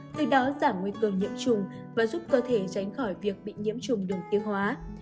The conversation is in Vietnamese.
từ đó giảm nguy cơ nhiễm trùng và giúp cơ thể tránh khỏi việc bị nhiễm trùng đường tiêu hóa